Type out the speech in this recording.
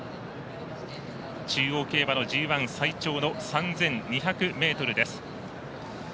中央競馬のＧＩ最長の３２００ｍです。